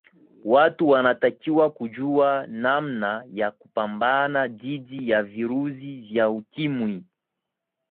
watu wanatakiwa kujua namna ya kupambana dhidi ya virusi vya ukimwi